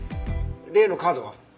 例のカードは？